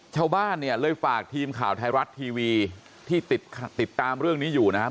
ชาวบ้านเนี่ยเลยฝากทีมข่าวไทยรัฐทีวีที่ติดตามเรื่องนี้อยู่นะครับ